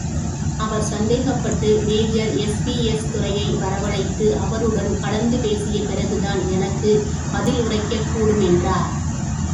அவர் சந்தேகப்பட்டு, major Elvis துரையை வரவழைத்து, அவருடன் கலந்து பேசிப் பிறகுதான் எனக்குப் பதில் உரைக்கக்கூடுமென்றார்.